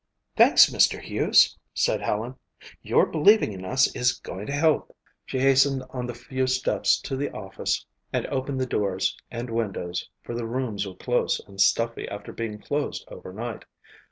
"Thanks, Mr. Hughes," said Helen. "Your believing in us is going to help." She hastened on the few steps to the office and opened the doors and windows for the rooms were close and stuffy after being closed overnight.